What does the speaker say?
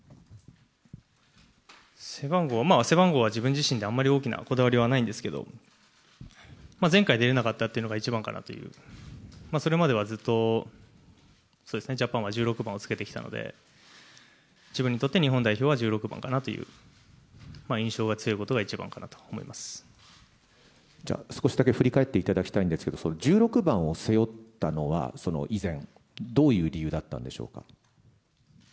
背番号、背番号は自分自身ではあんまり大きなこだわりはないんですけれども、前回出れなかったっていうのが一番かなという、それまではずっと、そうですね、ジャパンは１６番をつけてきたので、自分にとって日本代表は１６番かなという印象が強いことが一番かじゃあ少しだけ振り返っていただきたいんですけど、１６番を背負ったのは、以前、どういう理由だったんでしょうか？